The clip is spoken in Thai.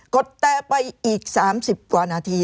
ดแตรไปอีก๓๐กว่านาที